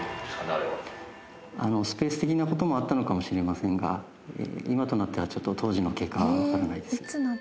あれはスペース的なこともあったのかもしれませんが今となってはちょっと当時の経過はわからないです